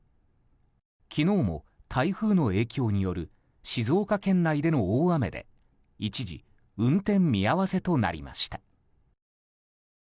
昨日も台風の影響による静岡県内での大雨で一時、運転見合わせとなりました。